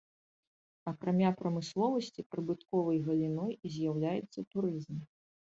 Акрамя прамысловасці прыбытковай галіной з'яўляецца турызм.